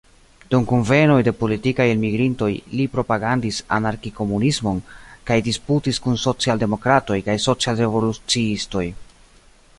Dum kunvenoj de politikaj elmigrintoj li propagandis anarki-komunismon kaj disputis kun social-demokratoj kaj social-revoluciistoj.